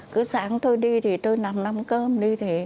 cứ sáng tôi đi thì tôi nằm nằm cơm đi